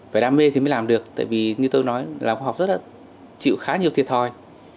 phải đam mê thì mới làm được tại vì như tôi nói là khoa học rất là chịu khá nhiều thiệt thòi